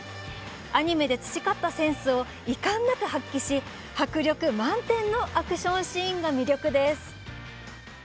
アニメで培ったセンスを遺憾なく発揮し迫力満点のアクションシーンが魅力です。